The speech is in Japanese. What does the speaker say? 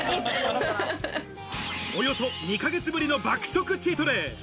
およそ２ヶ月ぶりの爆食チートデイ。